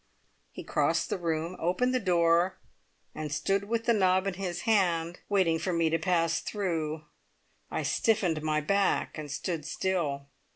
He crossed the room, opened the door, and stood with the knob in his hand, waiting for me to pass through. I stiffened my back and stood still.